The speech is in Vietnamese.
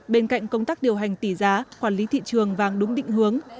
bên cạnh công tác điều hành tỷ giá quản lý thị trường vàng đúng định hướng